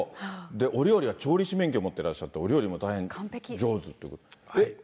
お料理は、調理師免許を持ってらっしゃって、お料理も大変上手ということで。